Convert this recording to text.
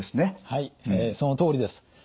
はいそのとおりです。